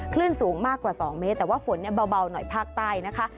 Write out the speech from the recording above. คลื่นสูงมากกว่า๒เมตรแต่ว่าฝนเนี่ยเบาหน่อยภาคใต้นะคะ